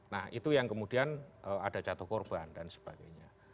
nah itu yang kemudian ada jatuh korban dan sebagainya